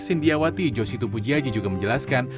sindiawati josy tupuji haji juga menjelaskan